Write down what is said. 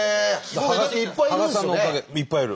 いっぱいいる。